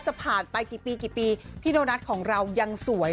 จะผ่านไปกี่ปีกี่ปีพี่โดนัทของเรายังสวย